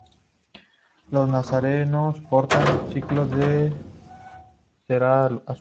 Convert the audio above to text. Los nazarenos portan cirios de cera azul.